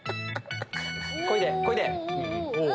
こいでこいで！